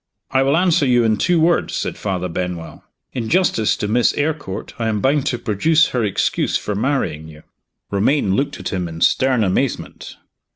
"I will answer you in two words," said Father Benwell. "In justice to Miss Eyrecourt, I am bound to produce her excuse for marrying you." Romayne looked at him in stern amazement.